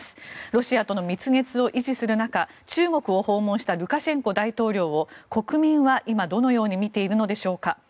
ロシアとの蜜月を維持する中中国を訪問したルカシェンコ大統領を国民は今どのように見ているのでしょうか。